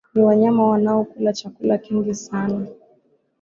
ni wanyama wanaokula chakula kingi sana